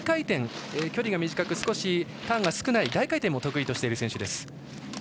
距離が短くターンが少ない大回転も得意としている選手です。